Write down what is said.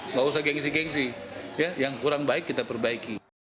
nggak usah gengsi gengsi yang kurang baik kita perbaiki